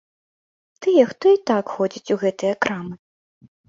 Тыя, хто і так ходзіць у гэтыя крамы.